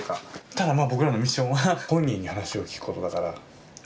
ただ僕らのミッションは本人に話を聞くことだから。